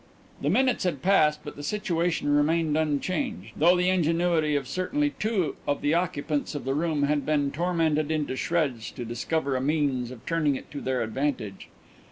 The minutes had passed but the situation remained unchanged, though the ingenuity of certainly two of the occupants of the room had been tormented into shreds to discover a means of turning it to their advantage.